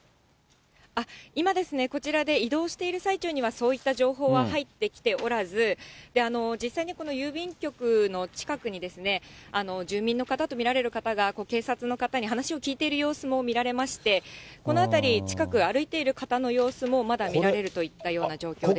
今ですね、こちらで移動している最中には、そういった情報は入ってきておらず、実際にこの郵便局の近くに、住民の方と見られる方が警察の方に話を聞いている様子も見られまして、この辺り、近く、歩いている方の様子も、まだ見られるといったような状況です。